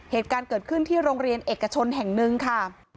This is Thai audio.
เหตุการณ์เกิดขึ้นที่โรงเรียนเอกชนแห่งหนึ่งค่ะ